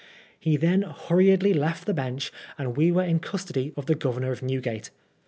He then hurriedly left the bench, and we were in custody of the Governor of Newgate.